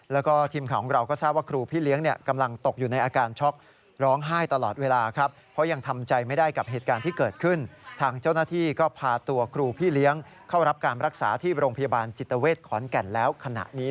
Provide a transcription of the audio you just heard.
แล้วก็ทีมข่าวของเราก็ทราบว่าครูพี่เลี้ยงกำลังตกอยู่ในอาการช็อค